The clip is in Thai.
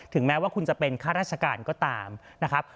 แม้ว่าคุณจะเป็นข้าราชการก็ตามนะครับ